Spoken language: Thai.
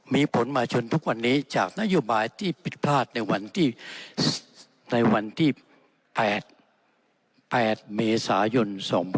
มีผลมาฉนทุกวันนี้จากนโยบายภิกษาภาคในวันที่๘เมษายน๒๔๔